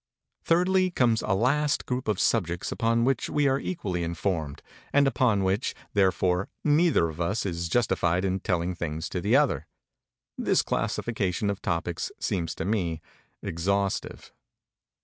Thirdly, comes a last group of subjects upon which we are equally informed, and upon which, therefore, neither of us is justified in telling things to the other. This classification of topics seems to me exhaustive.